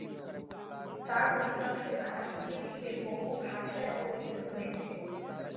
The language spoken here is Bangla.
তার অধিকাংশ কাজ পৃথিবীর বহুভাষায় অনূদিত হয়েছে।